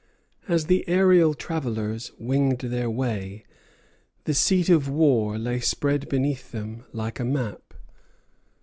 As the aërial travellers winged their way, the seat of war lay spread beneath them like a map.